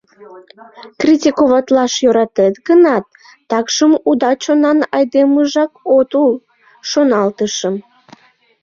«Критиковатлаш йӧратет гынат, такшым уда чонан айдемыжак от ул», — шоналтышым.